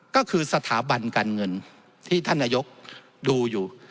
ก็คือสถาบันการเงินที่ท่านนายกดูอยู่